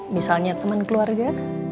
misalnya teman keluarga